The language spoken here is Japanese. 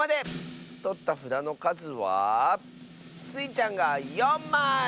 とったふだのかずはスイちゃんが４まい！